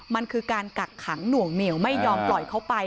มันคือการกักขังหน่วงเหนียวไม่ยอมปล่อยเขาไป